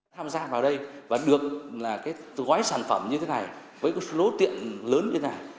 tham gia vào đây và được gói sản phẩm như thế này với số tiền lớn như thế này